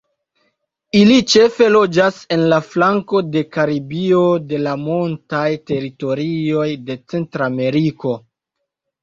Ili ĉefe loĝas en la flanko de Karibio de la montaj teritorioj de Centrameriko.